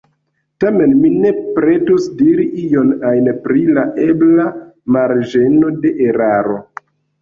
Tamen mi ne pretus diri ion ajn pri la ebla “marĝeno de eraro”.